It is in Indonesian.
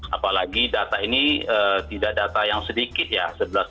apalagi data ini tidak data yang sedikit ya